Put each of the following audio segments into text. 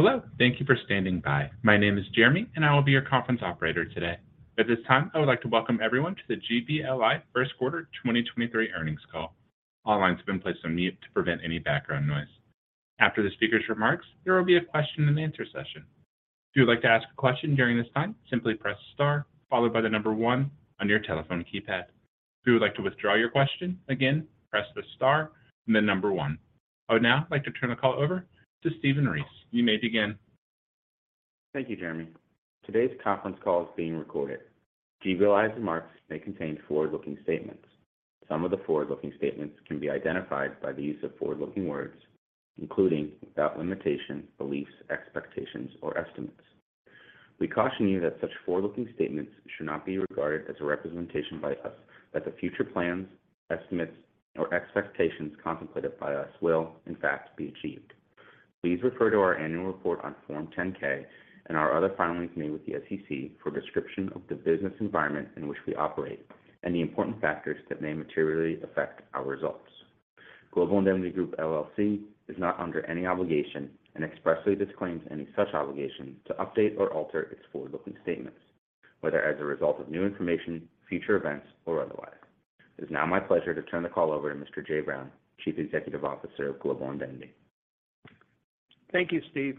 Hello. Thank you for standing by. My name is Jeremy, and I will be your conference operator today. At this time, I would like to welcome everyone to the GBLI First Quarter 2023 Earnings Call. All lines have been placed on mute to prevent any background noise. After the speaker's remarks, there will be a question and answer session. If you would like to ask a question during this time, simply press star followed by the one on your telephone keypad. If you would like to withdraw your question, again, press the star and then one. I would now like to turn the call over to Stephen Ries. You may begin. Thank you, Jeremy. Today's conference call is being recorded. GBLI's remarks may contain forward-looking statements. Some of the forward-looking statements can be identified by the use of forward-looking words, including, without limitation, beliefs, expectations, or estimates. We caution you that such forward-looking statements should not be regarded as a representation by us that the future plans, estimates, or expectations contemplated by us will in fact be achieved. Please refer to our annual report on Form 10-K and our other filings made with the SEC for a description of the business environment in which we operate and the important factors that may materially affect our results. Global Indemnity Group, LLC is not under any obligation and expressly disclaims any such obligation to update or alter its forward-looking statements, whether as a result of new information, future events, or otherwise. It's now my pleasure to turn the call over to Mr. Jay Brown, Chief Executive Officer of Global Indemnity. Thank you, Steve.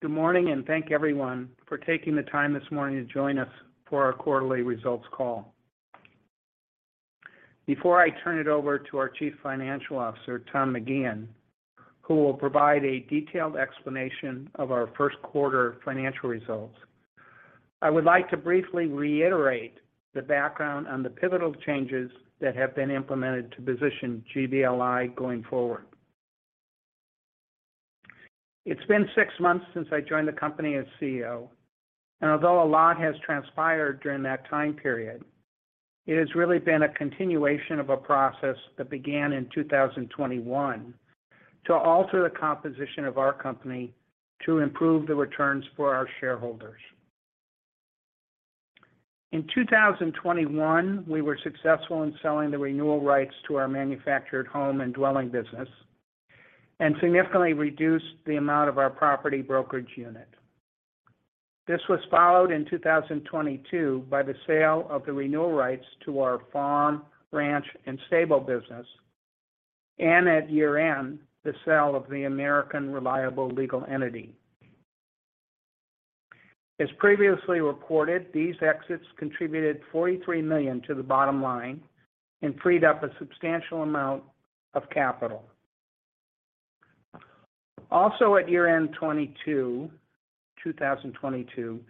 Good morning, and thank everyone for taking the time this morning to join us for our quarterly results call. Before I turn it over to our Chief Financial Officer, Tom McGeehan, who will provide a detailed explanation of our first quarter financial results, I would like to briefly reiterate the background on the pivotal changes that have been implemented to position GBLI going forward. It's been six months since I joined the company as CEO, and although a lot has transpired during that time period, it has really been a continuation of a process that began in 2021 to alter the composition of our company to improve the returns for our shareholders. In 2021, we were successful in selling the renewal rights to our manufactured home and dwelling business and significantly reduced the amount of our property brokerage unit. This was followed in 2022 by the sale of the renewal rights to our farm, ranch, and stable business, and at year-end, the sale of the American Reliable Legal Entity. As previously reported, these exits contributed $43 million to the bottom line and freed up a substantial amount of capital. Also, at year-end 2022,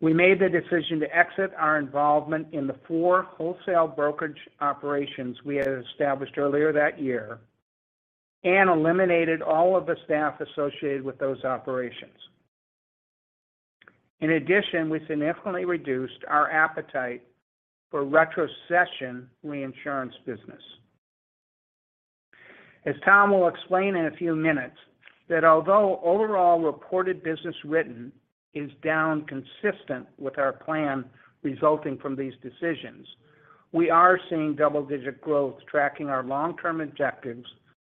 we made the decision to exit our involvement in the four wholesale brokerage operations we had established earlier that year and eliminated all of the staff associated with those operations. In addition, we significantly reduced our appetite for retrocession reinsurance business. As Tom will explain in a few minutes that although overall reported business written is down consistent with our plan resulting from these decisions, we are seeing double-digit growth tracking our long-term objectives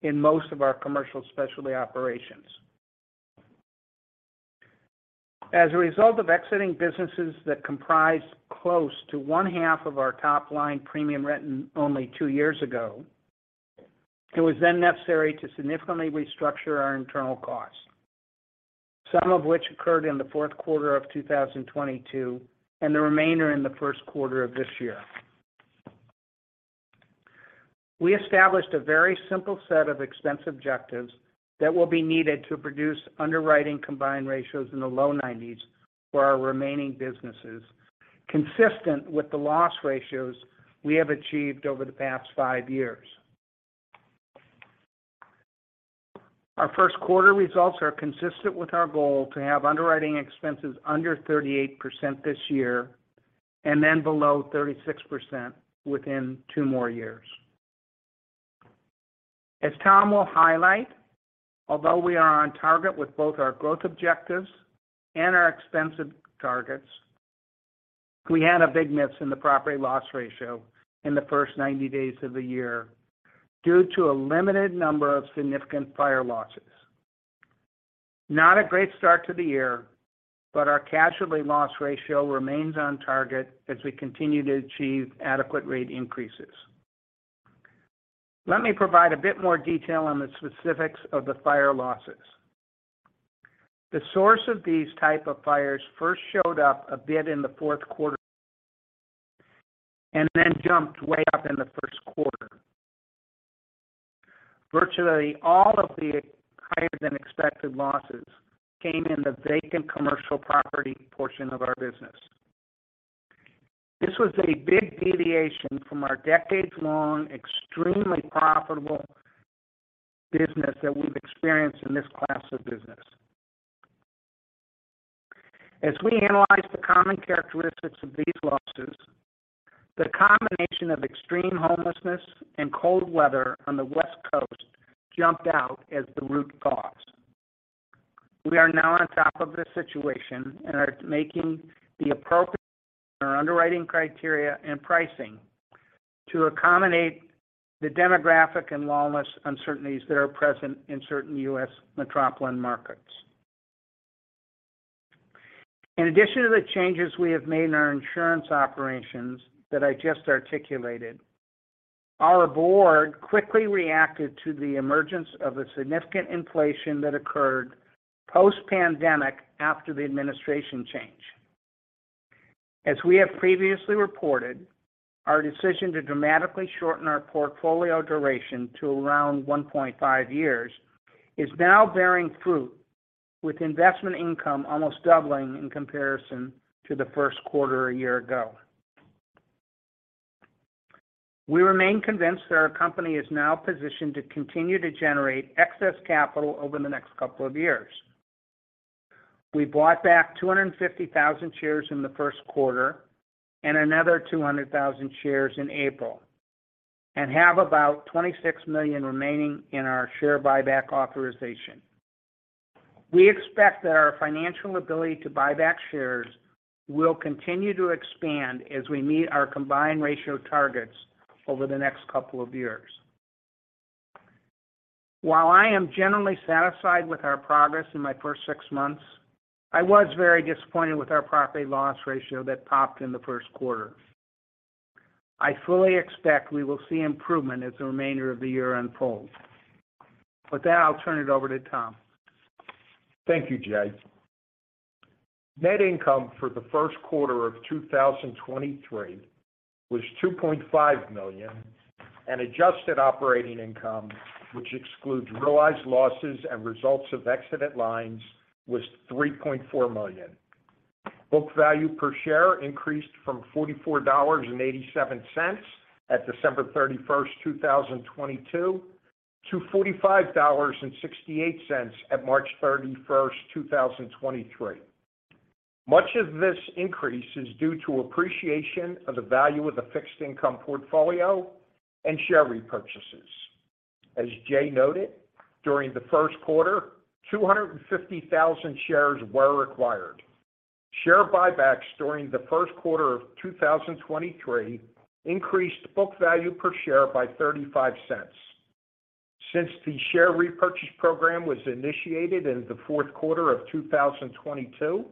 in most of our Commercial Specialty operations. As a result of exiting businesses that comprise close to one-half of our top line premium written only two years ago, it was then necessary to significantly restructure our internal costs, some of which occurred in the fourth quarter of 2022, and the remainder in the first quarter of this year. We established a very simple set of expense objectives that will be needed to produce underwriting combined ratios in the low 90s for our remaining businesses, consistent with the loss ratios we have achieved over the past five years. Our first quarter results are consistent with our goal to have underwriting expenses under 38% this year and then below 36% within two more years. As Tom will highlight, although we are on target with both our growth objectives and our expensive targets, we had a big miss in the property loss ratio in the first 90 days of the year due to a limited number of significant fire losses. Not a great start to the year, our casualty loss ratio remains on target as we continue to achieve adequate rate increases. Let me provide a bit more detail on the specifics of the fire losses. The source of these type of fires first showed up a bit in the fourth quarter then jumped way up in the first quarter. Virtually all of the higher than expected losses came in the vacant commercial property portion of our business. This was a big deviation from our decades-long, extremely profitable business that we've experienced in this class of business. As we analyzed the common characteristics of these losses, the combination of extreme homelessness and cold weather on the West Coast jumped out as the root cause. We are now on top of this situation and are making the appropriate. Our underwriting criteria and pricing to accommodate the demographic and lawless uncertainties that are present in certain U.S. metropolitan markets. In addition to the changes we have made in our insurance operations that I just articulated, our board quickly reacted to the emergence of a significant inflation that occurred post-pandemic after the administration change. As we have previously reported, our decision to dramatically shorten our portfolio duration to around 1.5 years is now bearing fruit, with investment income almost doubling in comparison to the first quarter a year ago. We remain convinced that our company is now positioned to continue to generate excess capital over the next couple of years. We bought back 250,000 shares in the first quarter and another 200,000 shares in April and have about $26 million remaining in our share buyback authorization. We expect that our financial ability to buy back shares will continue to expand as we meet our combined ratio targets over the next couple of years. While I am generally satisfied with our progress in my first six months, I was very disappointed with our property loss ratio that popped in the first quarter. I fully expect we will see improvement as the remainder of the year unfolds. With that, I'll turn it over to Tom. Thank you, Jay. Net income for the first quarter of 2023 was $2.5 million, and adjusted operating income, which excludes realized losses and results of accident lines, was $3.4 million. Book value per share increased from $44.87 at December 31st, 2022 to $45.68 at March 31st, 2023. Much of this increase is due to appreciation of the value of the fixed income portfolio and share repurchases. As Jay noted, during the first quarter, 250,000 shares were required. Share buybacks during the first quarter of 2023 increased book value per share by $0.35. Since the share repurchase program was initiated in the fourth quarter of 2022,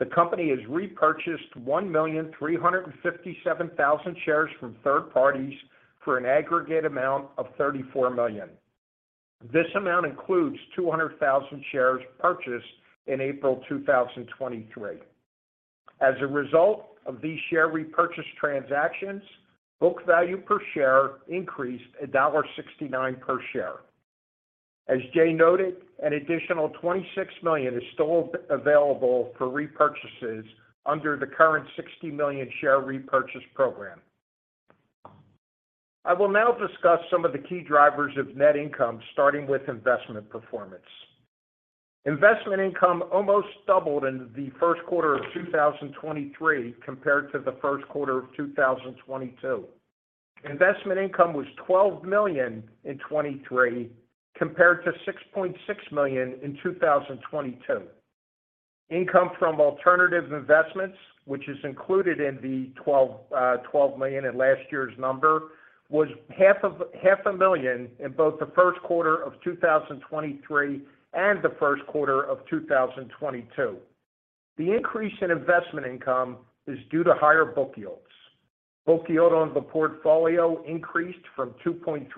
the company has repurchased 1,357,000 shares from third parties for an aggregate amount of $34 million. This amount includes 200,000 shares purchased in April 2023. As a result of these share repurchase transactions, book value per share increased $1.69 per share. As Jay noted, an additional $26 million is still available for repurchases under the current $60 million share repurchase program. I will now discuss some of the key drivers of net income, starting with investment performance. Investment income almost doubled in the first quarter of 2023 compared to the first quarter of 2022. Investment income was $12 million in 2023 compared to $6.6 million in 2022. Income from alternative investments, which is included in the $12 million in last year's number, was half a million in both the first quarter of 2023 and the first quarter of 2022. The increase in investment income is due to higher book yields. Book yield on the portfolio increased from 2.3%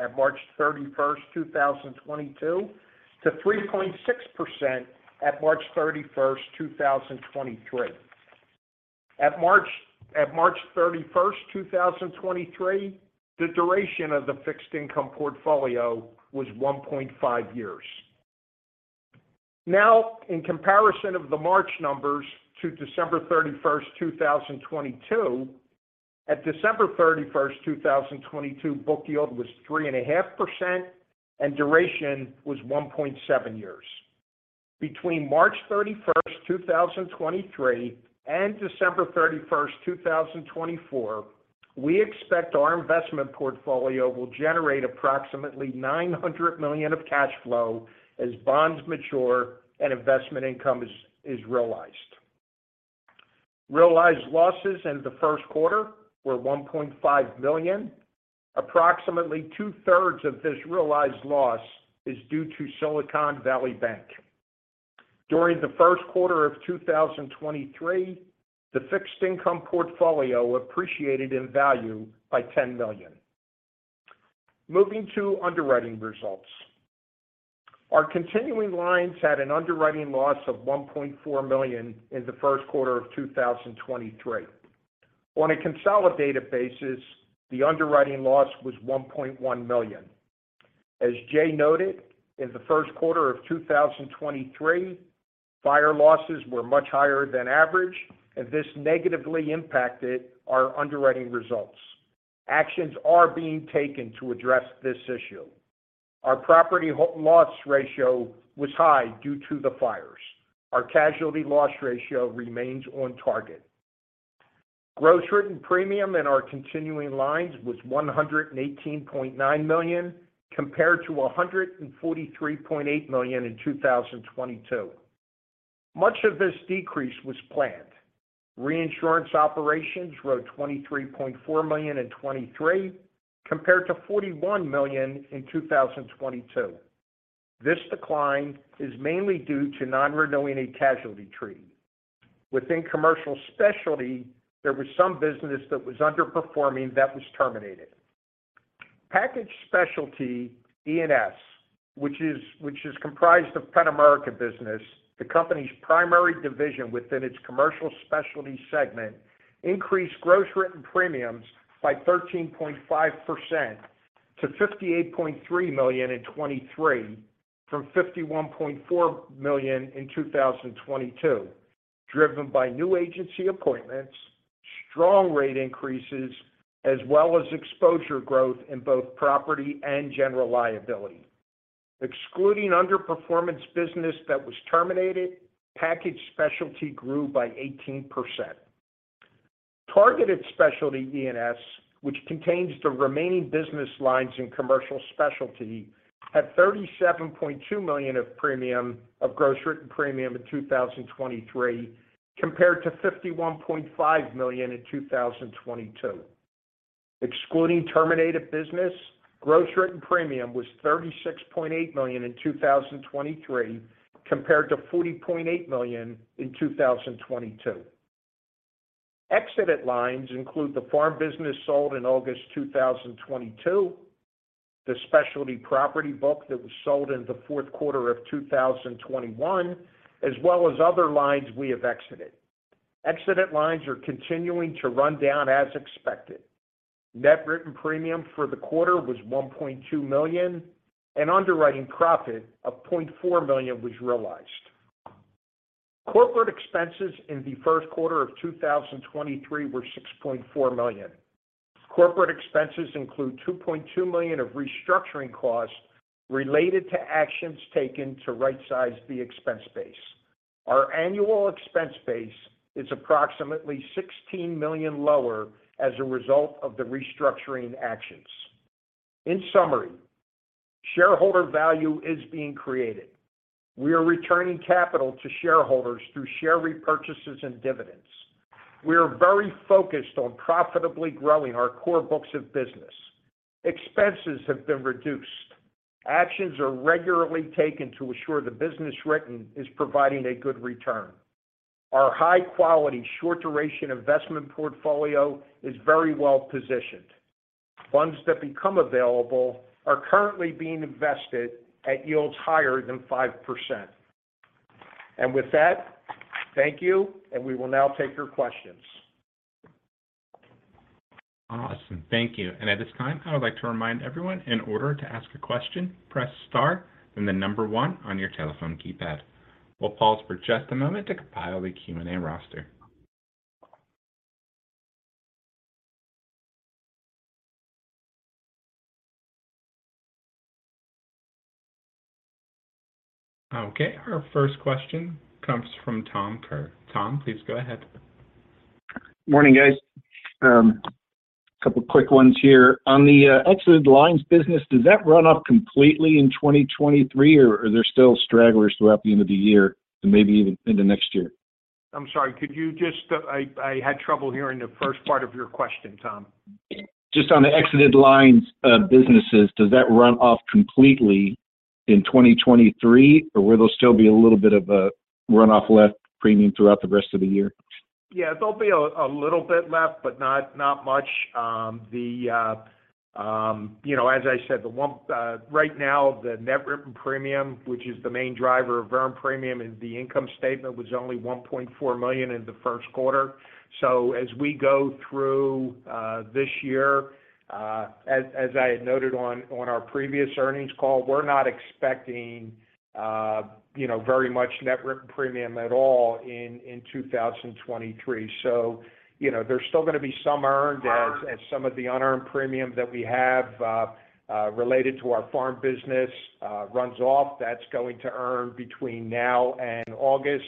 at March 31, 2022 to 3.6% at March 31, 2023. At March 31, 2023, the duration of the fixed income portfolio was 1.5 years. In comparison of the March numbers to December 31, 2022, at December 31, 2022, book yield was 3.5% and duration was 1.7 years. Between March 31st, 2023, and December 31st, 2024, we expect our investment portfolio will generate approximately $900 million of cash flow as bonds mature and investment income is realized. Realized losses in the first quarter were $1.5 million. Approximately two-thirds of this realized loss is due to Silicon Valley Bank. During the first quarter of 2023, the fixed income portfolio appreciated in value by $10 million. Moving to underwriting results. Our continuing lines had an underwriting loss of $1.4 million in the first quarter of 2023. On a consolidated basis, the underwriting loss was $1.1 million. As Jay noted, in the first quarter of 2023, fire losses were much higher than average. This negatively impacted our underwriting results. Actions are being taken to address this issue. Our property loss ratio was high due to the fires. Our casualty loss ratio remains on target. Gross written premium in our continuing lines was $118.9 million. Compared to $143.8 million in 2022. Much of this decrease was planned. Reinsurance operations wrote $23.4 million in 2023, compared to $41 million in 2022. This decline is mainly due to non-renewing a casualty treaty. Within Commercial Specialty, there was some business that was underperforming that was terminated. Packaged Specialty E&S, which is comprised of Penn-America business, the company's primary division within its Commercial Specialty segment, increased gross written premiums by 13.5% to $58.3 million in 2023, from $51.4 million in 2022, driven by new agency appointments, strong rate increases, as well as exposure growth in both property and general liability. Excluding underperformance business that was terminated, Packaged Specialty grew by 18%. Targeted Specialty E&S, which contains the remaining business lines in Commercial Specialty, had $37.2 million of gross written premium in 2023, compared to $51.5 million in 2022. Excluding terminated business, gross written premium was $36.8 million in 2023, compared to $40.8 million in 2022. Exited lines include the farm business sold in August 2022, the specialty property book that was sold in the fourth quarter of 2021, as well as other lines we have exited. Exited lines are continuing to run down as expected. Net written premium for the quarter was $1.2 million, and underwriting profit of $0.4 million was realized. Corporate expenses in the first quarter of 2023 were $6.4 million. Corporate expenses include $2.2 million of restructuring costs related to actions taken to rightsize the expense base. Our annual expense base is approximately $16 million lower as a result of the restructuring actions. In summary, shareholder value is being created. We are returning capital to shareholders through share repurchases and dividends. We are very focused on profitably growing our core books of business. Expenses have been reduced. Actions are regularly taken to assure the business written is providing a good return. Our high-quality, short-duration investment portfolio is very well-positioned. Funds that become available are currently being invested at yields higher than 5%. With that, thank you, and we will now take your questions. Awesome. Thank you. At this time, I would like to remind everyone, in order to ask a question, press star and then number one on your telephone keypad. We'll pause for just a moment to compile the Q&A roster. Okay. Our first question comes from Tom Kerr. Tom, please go ahead. Morning, guys. A couple quick ones here. On the exited lines business, does that run off completely in 2023, or are there still stragglers throughout the end of the year and maybe even into next year? I'm sorry, could you I had trouble hearing the first part of your question, Tom. On the exited lines of businesses, does that run off completely in 2023, or will there still be a little bit of a runoff left premium throughout the rest of the year? Yeah, there'll be a little bit left, but not much. You know, as I said, right now the net written premium, which is the main driver of earned premium in the income statement, was only $1.4 million in the first quarter. As we go through this year, as I had noted on our previous earnings call, we're not expecting, you know, very much net written premium at all in 2023. You know, there's still gonna be some earned as some of the unearned premium that we have related to our farm business runs off. That's going to earn between now and August.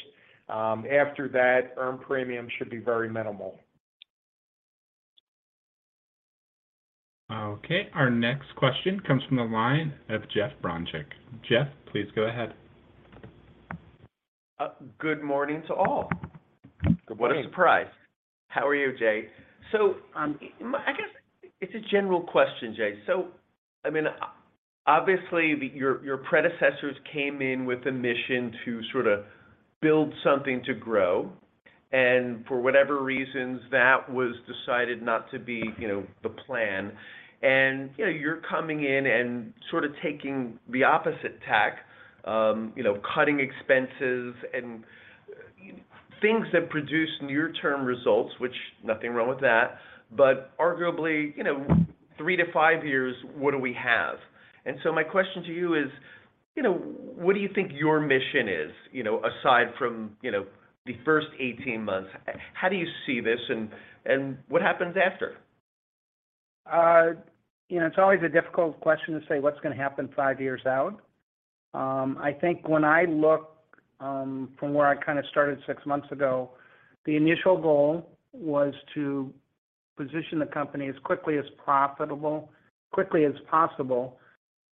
After that, earned premium should be very minimal. Our next question comes from the line of Jeff Bronchick. Jeff, please go ahead. good morning to all. Good morning. What a surprise. How are you, Jay? I guess it's a general question, Jay. I mean, obviously, your predecessors came in with a mission to sort of build something to grow. For whatever reasons, that was decided not to be, you know, the plan. You're coming in and sort of taking the opposite tack, you know, cutting expenses and things that produce near-term results, which nothing wrong with that. Arguably, you know, three to five years, what do we have? My question to you is, you know, what do you think your mission is, you know, aside from, you know, the first 18 months? How do you see this, and what happens after? you know, it's always a difficult question to say what's gonna happen five years out. I think when I look from where I kind of started six months ago, the initial goal was to position the company as quickly as profitable, quickly as possible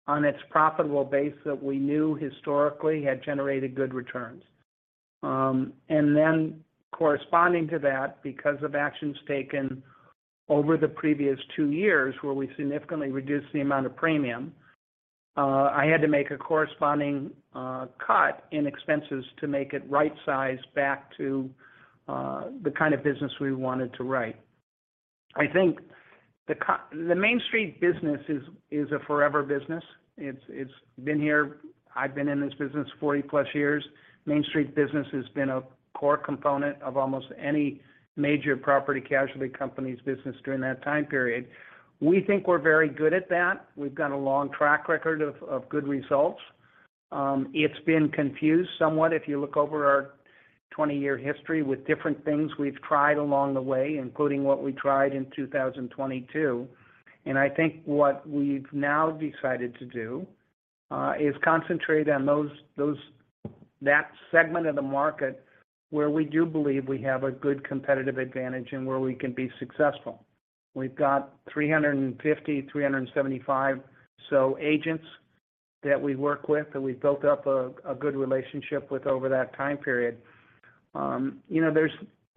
on its profitable base that we knew historically had generated good returns. Corresponding to that, because of actions taken over the previous two years where we significantly reduced the amount of premium, I had to make a corresponding cut in expenses to make it right-size back to the kind of business we wanted to write. I think the Main Street business is a forever business. It's been here... I've been in this business 40+ years. Main Street business has been a core component of almost any major property casualty company's business during that time period. We think we're very good at that. We've got a long track record of good results. It's been confused somewhat, if you look over our 20-year history with different things we've tried along the way, including what we tried in 2022. I think what we've now decided to do is concentrate on those that segment of the market where we do believe we have a good competitive advantage and where we can be successful. We've got 350-375 so agents that we work with, that we've built up a good relationship with over that time period. You know, there's.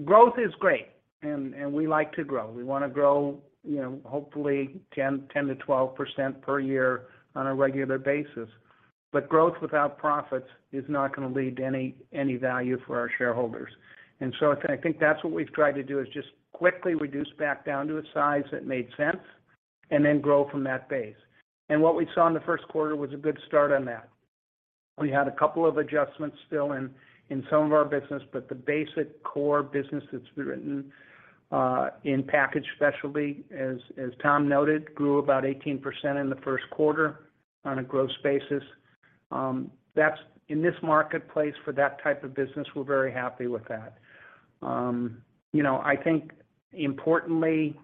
Growth is great and we like to grow. We wanna grow, you know, hopefully 10%-12% per year on a regular basis. Growth without profits is not gonna lead to any value for our shareholders. I think that's what we've tried to do, is just quickly reduce back down to a size that made sense and then grow from that base. What we saw in the first quarter was a good start on that. We had a couple of adjustments still in some of our business, but the basic core business that's been written in Packaged Specialty, as Tom noted, grew about 18% in the first quarter on a growth basis. That's, in this marketplace for that type of business, we're very happy with that. You know, I think importantly,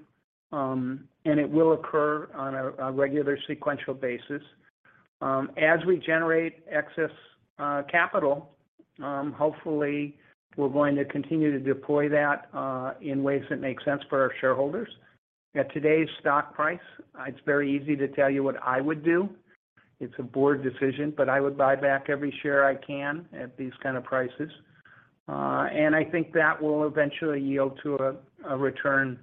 it will occur on a regular sequential basis, as we generate excess capital, hopefully we're going to continue to deploy that in ways that make sense for our shareholders. At today's stock price, it's very easy to tell you what I would do. It's a board decision. I would buy back every share I can at these kind of prices. I think that will eventually yield to a return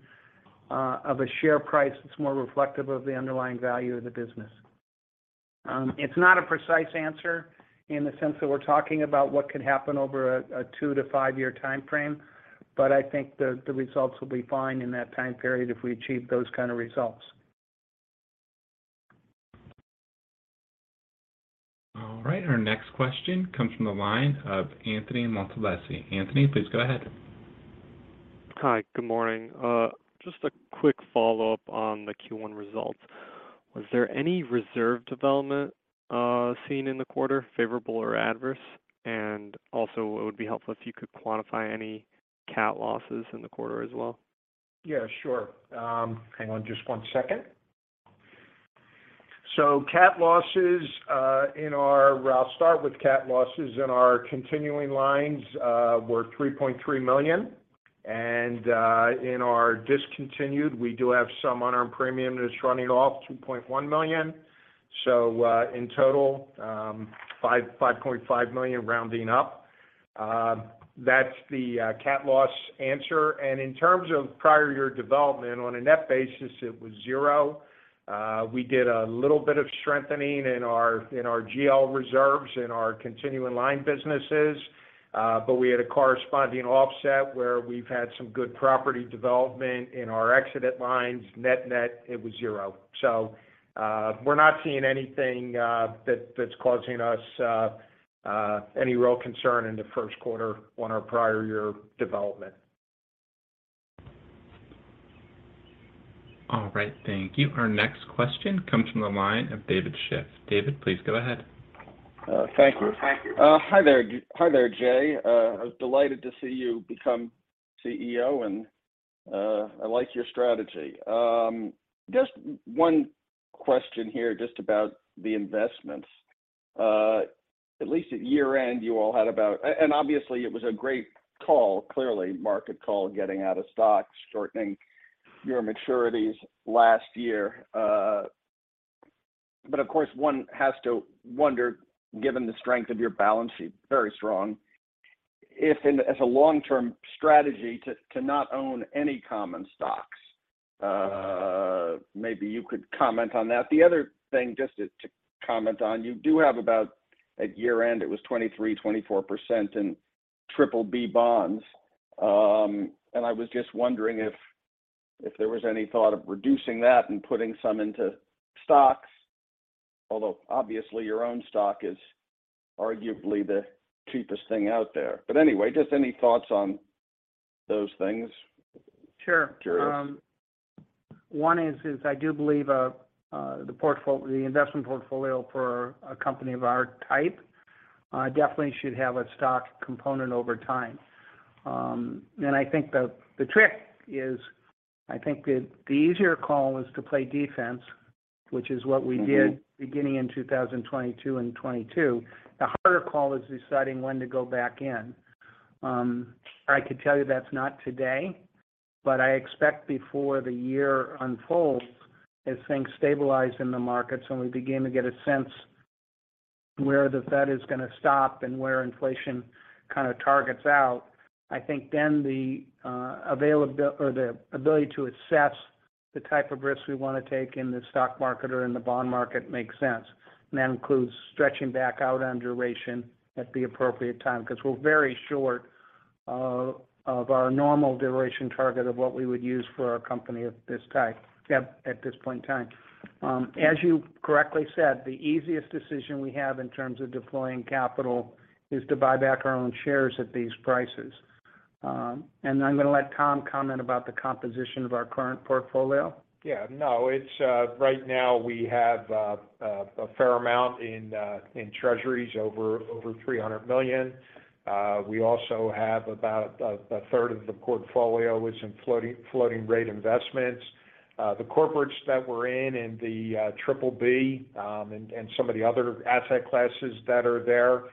of a share price that's more reflective of the underlying value of the business. It's not a precise answer in the sense that we're talking about what could happen over a two to five-year timeframe, but I think the results will be fine in that time period if we achieve those kind of results. All right. Our next question comes from the line of Anthony Mottolese. Anthony, please go ahead. Hi. Good morning. Just a quick follow-up on the Q1 results. Was there any reserve development, seen in the quarter, favorable or adverse? Also, it would be helpful if you could quantify any cat losses in the quarter as well. Yeah, sure. Hang on just one second. Cat losses in our continuing lines were $3.3 million. In our discontinued, we do have some on our premium that's running off, $2.1 million. In total, $5.5 million, rounding up. That's the cat loss answer. In terms of prior year development, on a net basis, it was zero. We did a little bit of strengthening in our GL reserves in our continuing line businesses, but we had a corresponding offset where we've had some good property development in our exit lines. Net-net, it was 0. We're not seeing anything that's causing us any real concern in the first quarter on our prior year development. All right. Thank you. Our next question comes from the line of David Schiff. David, please go ahead. Thank you. Thank you. Hi there. Hi there, Jay. I was delighted to see you become CEO, and I like your strategy. Just one question here just about the investments. At least at year-end, you all had about and obviously it was a great call, clearly market call, getting out of stock, shortening your maturities last year. Of course, one has to wonder, given the strength of your balance sheet, very strong, if in, as a long-term strategy to not own any common stocks. Maybe you could comment on that. The other thing just to comment on, you do have about, at year-end, it was 23%-24% in BBB bonds. I was just wondering if there was any thought of reducing that and putting some into stocks. Although, obviously, your own stock is arguably the cheapest thing out there. Anyway, just any thoughts on those things? Sure. Curious. One is I do believe, the investment portfolio for a company of our type Definitely should have a stock component over time. I think the trick is, I think the easier call is to play defense, which is what we did. Mm-hmm... Beginning in 2022. The harder call is deciding when to go back in. I could tell you that's not today, but I expect before the year unfolds, as things stabilize in the markets and we begin to get a sense where the Fed is gonna stop and where inflation kind of targets out, I think then the ability to assess the type of risks we wanna take in the stock market or in the bond market makes sense. That includes stretching back out on duration at the appropriate time, 'cause we're very short of our normal duration target of what we would use for our company at this time, at this point in time. As you correctly said, the easiest decision we have in terms of deploying capital is to buy back our own shares at these prices. I'm gonna let Tom comment about the composition of our current portfolio. Yeah, no. It's right now we have a fair amount in treasuries, over $300 million. We also have about a third of the portfolio is in floating rate investments. The corporates that we're in the triple B, and some of the other asset classes that are there,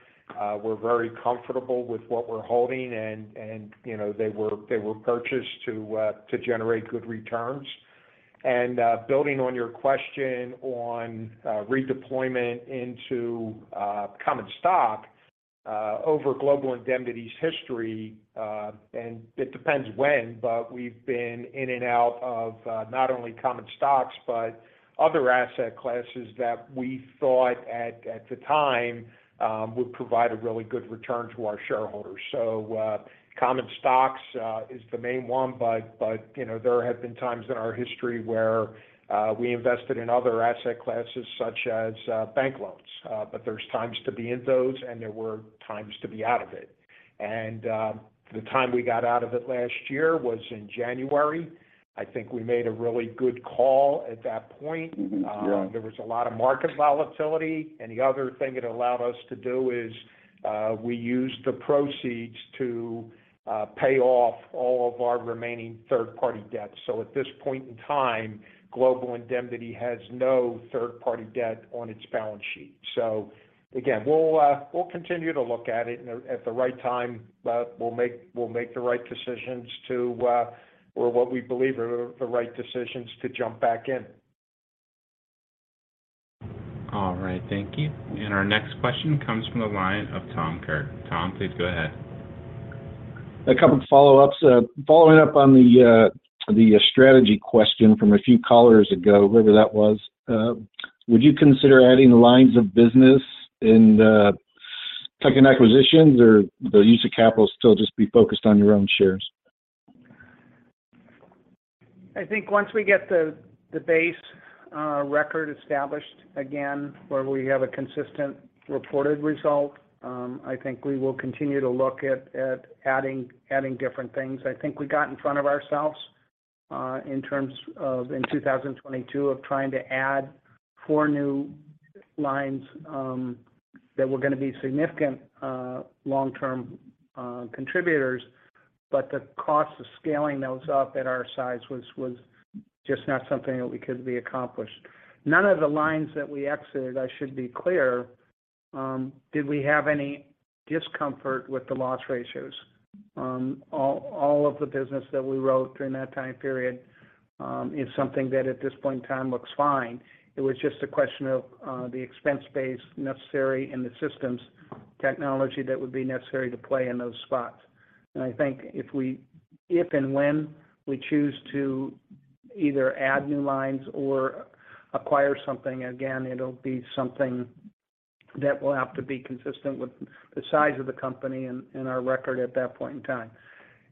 we're very comfortable with what we're holding and, you know, they were purchased to generate good returns. Building on your question on redeployment into common stock, over Global Indemnity's history, and it depends when, but we've been in and out of not only common stocks, but other asset classes that we thought at the time would provide a really good return to our shareholders. Common stocks, is the main one, but, you know, there have been times in our history where, we invested in other asset classes such as, bank loans. There's times to be in those, and there were times to be out of it. The time we got out of it last year was in January. I think we made a really good call at that point. Mm-hmm. Yeah. There was a lot of market volatility, and the other thing it allowed us to do is, we used the proceeds to pay off all of our remaining third-party debt. At this point in time, Global Indemnity has no third-party debt on its balance sheet. Again, we'll continue to look at it and at the right time, we'll make the right decisions to or what we believe are the right decisions to jump back in. All right. Thank you. Our next question comes from the line of Tom Kerr. Tom, please go ahead. A couple follow-ups. Following up on the strategy question from a few callers ago, whoever that was, would you consider adding lines of business in the tech and acquisitions or the use of capital still just be focused on your own shares? I think once we get the base record established again, where we have a consistent reported result, I think we will continue to look at adding different things. I think we got in front of ourselves in terms of in 2022 of trying to add four new lines that were gonna be significant long-term contributors, but the cost of scaling those up at our size was just not something that we could be accomplished. None of the lines that we exited, I should be clear, did we have any discomfort with the loss ratios. All of the business that we wrote during that time period is something that at this point in time looks fine. It was just a question of the expense base necessary and the systems technology that would be necessary to play in those spots. I think if we, if and when we choose to either add new lines or acquire something, again, it'll be something that will have to be consistent with the size of the company and our record at that point in time.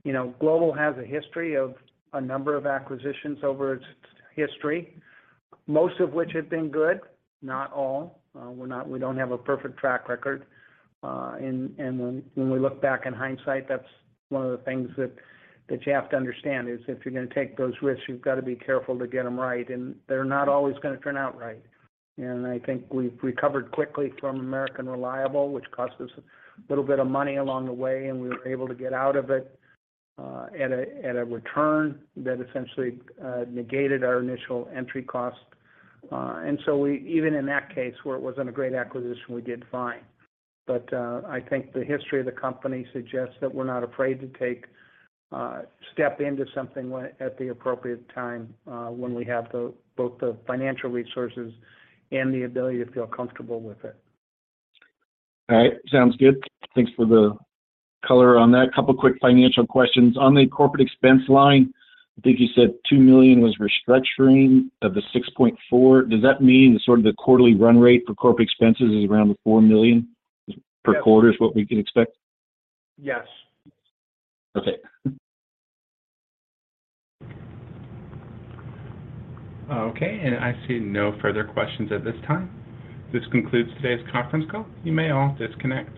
You know, Global has a history of a number of acquisitions over its history, most of which have been good, not all. We don't have a perfect track record. When we look back in hindsight, that's one of the things that you have to understand, is if you're gonna take those risks, you've got to be careful to get them right, and they're not always gonna turn out right. I think we've recovered quickly from American Reliable, which cost us a little bit of money along the way, and we were able to get out of it at a return that essentially negated our initial entry cost. We even in that case, where it wasn't a great acquisition, we did fine. I think the history of the company suggests that we're not afraid to take step into something at the appropriate time, when we have the, both the financial resources and the ability to feel comfortable with it. All right. Sounds good. Thanks for the color on that. A couple quick financial questions. On the corporate expense line, I think you said $2 million was restructuring of the $6.4 million. Does that mean sort of the quarterly run rate for corporate expenses is around the $4 million per quarter? Yes... Is what we can expect? Yes. Okay. Okay, I see no further questions at this time. This concludes today's conference call. You may all disconnect.